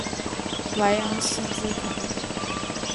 莱昂西兹孔。